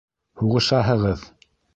Һуғышаһығыҙ!